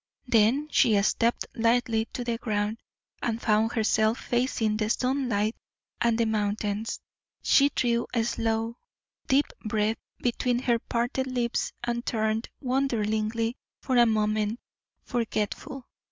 Then she stepped lightly to the ground, and found herself facing the sunlight and the mountains. She drew a slow, deep breath between her parted lips, and turned wonderingly, for a moment forgetful.